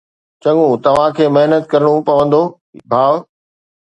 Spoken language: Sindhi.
چڱو، توهان کي محنت ڪرڻو پوندو، ڀاء